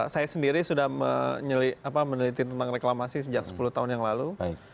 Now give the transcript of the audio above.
saya sendiri sudah meneliti tentang reklamasi sejak sepuluh tahun yang lalu